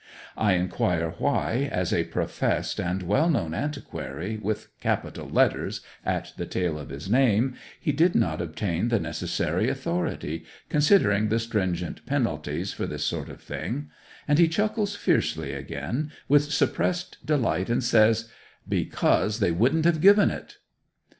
I inquire why, as a professed and well known antiquary with capital letters at the tail of his name, he did not obtain the necessary authority, considering the stringent penalties for this sort of thing; and he chuckles fiercely again with suppressed delight, and says, 'Because they wouldn't have given it!'